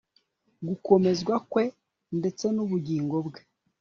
gukomezwa kwe ndetse n'ubugingo bwe